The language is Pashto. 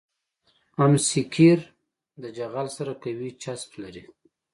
ام سي قیر د جغل سره قوي چسپش لري